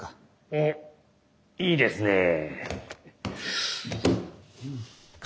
おっいいですねえ。